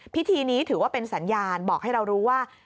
พิธีนี้ถือว่าเป็นสัญญาณบอกให้เรารู้ว่า